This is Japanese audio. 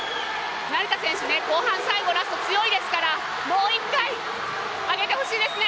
成田選手、後半最後ラスト強いですからもう一回上げてほしいですね。